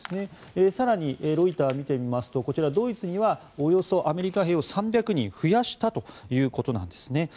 更に、ロイターを見てみますとこちらドイツにはアメリカをおよそ３００人増やしたということなんですね。